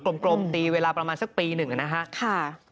กลมตีเวลาประมาณสักปีหนึ่งนะฮะค่ะ